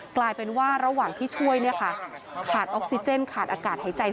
กลายเป็นว่าระหว่างที่ช่วยขาดออกซิเจนขาดอากาศหายใจ